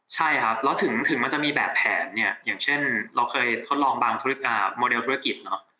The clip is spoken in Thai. ใช่ครับแล้วถึงมันจะมีแบบแผนเนี่ยอย่างเช่นเราเคยทดลองบางธุรกิจโมเดลธุรกิจเนอะ